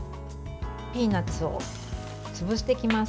ピーナツを潰していきます。